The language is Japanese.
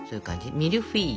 ミルフィーユ。